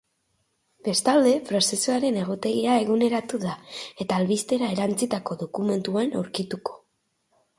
Bestalde, prozesuaren egutegia eguneratu da, eta albistera erantsitako dokumentuan aurkituko duzue.